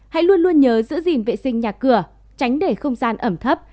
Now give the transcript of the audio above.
hãy luôn luôn nhớ giữ gìn vệ sinh nhà cửa tránh để không gian ẩm thấp